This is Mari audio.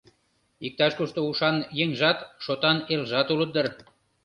Иктаж-кушто ушан еҥжат, шотан элжат улыт дыр.